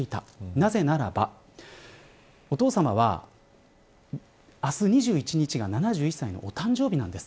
なぜならばお父さまは、明日２１日が７１歳の誕生日なんです。